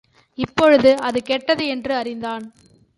இப்பொழுது அது கெட்டது என்று அறிந்தான்.